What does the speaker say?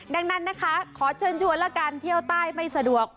ดังนั้นนะคะขอเชิญชวนละกันเที่ยวใต้ไม่สะดวก